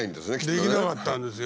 できなかったんですよ。